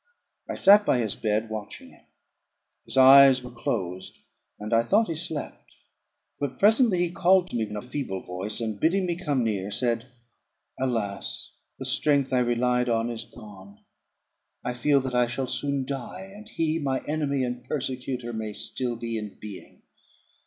I sat by his bed, watching him; his eyes were closed, and I thought he slept; but presently he called to me in a feeble voice, and, bidding me come near, said "Alas! the strength I relied on is gone; I feel that I shall soon die, and he, my enemy and persecutor, may still be in being.